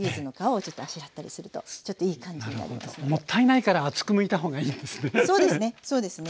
もったいないから厚くむいた方がいいんですね？